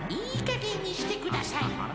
いいかげんにしてください。